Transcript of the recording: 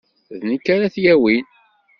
D nekk ara t-yawin.